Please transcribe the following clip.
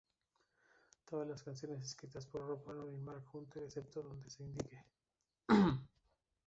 Todas las canciones escritas por Rob Arnold y Mark Hunter, excepto donde se indique.